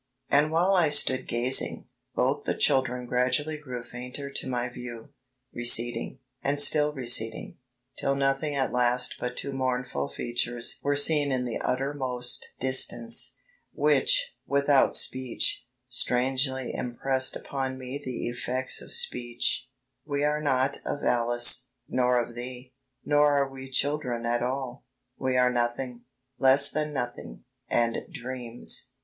And while I stood gazing, both the children gradually grew fainter to my view, receding, and still receding, till nothing at last but two mournful features were seen in the uttermost distance, which, without speech, strangely impressed upon me the effects of speech: 'We are not of Alice, nor of thee, nor are we children at all.... We are nothing; less than nothing, and dreams.